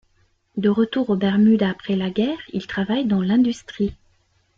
De retour aux Bermudes après la guerre il travaille dans l'industrie.